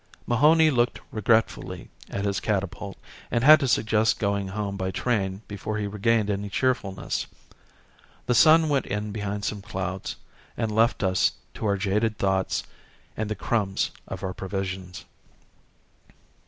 Mahony looked regretfully at his catapult and I had to suggest going home by train before he regained any cheerfulness. The sun went in behind some clouds and left us to our jaded thoughts and the crumbs of our provisions.